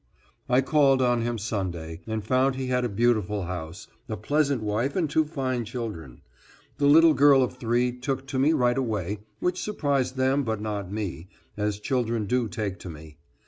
I called on him Sunday, and found he had a beautiful house, a pleasant wife and two fine children. The little girl of three took to me right away, which surprised them but not me, as children do take to me.